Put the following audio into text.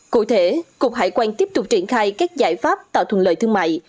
cụ thể cục hải quan tiếp tục triển khai các giải pháp tạo thuận lợi thương mại